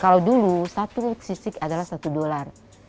kalau dulu satu sisik adalah satu dolar